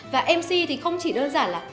và mc thì không chỉ đơn giản là